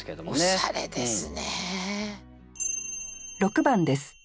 おしゃれですね。